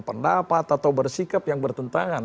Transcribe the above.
pendapat atau bersikap yang bertentangan